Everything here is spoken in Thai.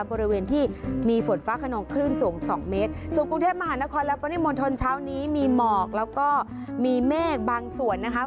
บริเวณที่มีฝนฟ้าขนองคลื่นสูงสองเมตรส่วนกรุงเทพมหานครและปริมณฑลเช้านี้มีหมอกแล้วก็มีเมฆบางส่วนนะคะ